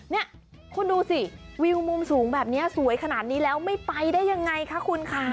นี่คุณดูสิวิวมุมสูงแบบนี้สวยขนาดนี้แล้วไม่ไปได้ยังไงคะคุณค่ะ